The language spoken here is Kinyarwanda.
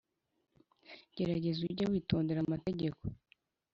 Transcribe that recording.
gerageza ujye witondera amategeko